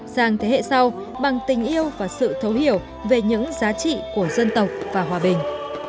sang thế hệ sau bằng tình yêu và sự thấu hiểu về những giá trị của dân tộc và hòa bình